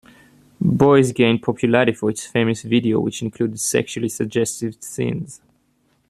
"Boys" gained popularity for its famous video, which included sexually suggestive scenes.